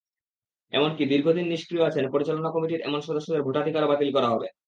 এমনকি দীর্ঘদিন নিষ্ক্রিয় আছেন পরিচালনা কমিটির এমন সদস্যদের ভোটাধিকারও বাতিল করা হবে।